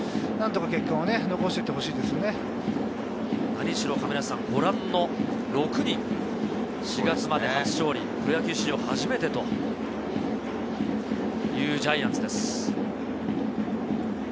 何しろご覧の６人、４月まで初勝利、プロ野球史上初というジャイアンツです。